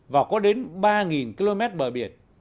và có đến ba km bờ biển